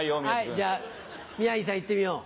はいじゃあ宮治さんいってみよう。